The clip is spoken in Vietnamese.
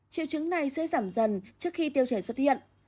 triệu chứng này sẽ giảm dần trước khi tiêu chảy xuất hiện